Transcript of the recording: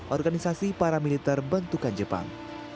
organisasi paramiliter bentukan jepang